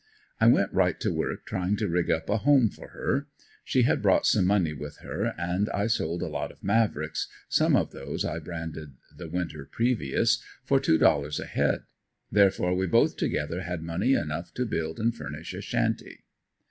I went right to work trying to rig up a home for her. She had brought some money with her and I sold a lot of Mavricks some of those I branded the winter previous for two dollars a head, therefore we both together had money enough to build and furnish a shanty.